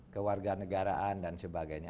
kewarga negaraan dan sebagainya